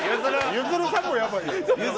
ゆずるさんがやばい。